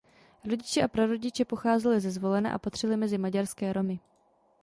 Rodiče a prarodiče pocházeli ze Zvolena a patřili mezi maďarské Romy.